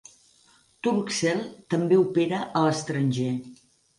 Turkcell també opera a l'estranger.